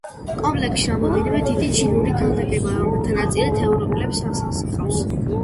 კომპლექსში რამდენიმე დიდი ჩინური ქანდაკებაა, რომელთა ნაწილიც ევროპელებს ასახავს.